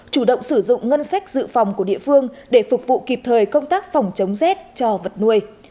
chủ động sử dụng ngân sách dự phòng của địa phương để phục vụ kịp thời công tác phòng chống rét cho vật nuôi